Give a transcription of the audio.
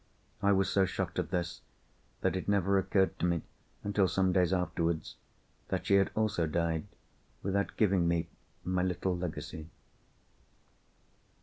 I was so shocked at this, that it never occurred to me, until some days afterwards, that she had also died without giving me my little legacy.